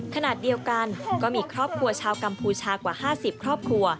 ขณะเดียวกันก็มีครอบครัวชาวกัมพูชากว่า๕๐ครอบครัว